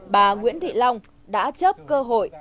bà nguyễn thị long đã chấp cơ hội